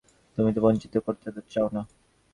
তুমি তো বঞ্চিত করতে চাও না।